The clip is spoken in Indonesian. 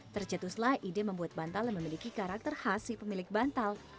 tercetuslah ide membuat bantal yang memiliki karakter khas si pemilik bantal